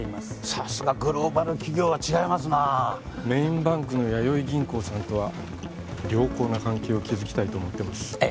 さすがグローバル企業は違いますなメインバンクのやよい銀行さんとは良好な関係を築きたいと思ってますええ